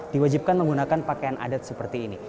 diwajibkan menggunakan pakaian adat seperti ini